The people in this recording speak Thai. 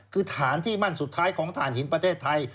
คือฐานที่มั่นสุดท้ายของฐานหินประเทศไทย